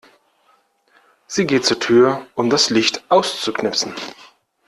Sie geht zur Tür, um das Licht auszuknipsen.